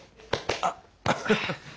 あっ。